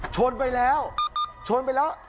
ชนไปแล้วชนไปแล้ว